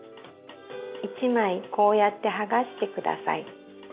一枚こうやって剥がして下さい。